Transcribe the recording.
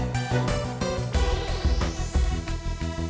nah kita reagan